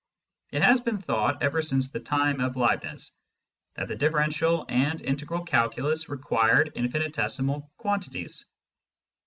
It has been thought ever since the time of Leibniz that the differential and integral calculus required infinitesimal quantities.